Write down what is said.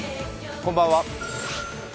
こんばんは。